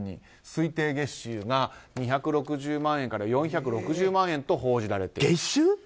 推定月収が２６０万円から４６０万円と報じられている。